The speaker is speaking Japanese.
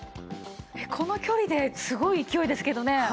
この距離ですごい勢いですけどね。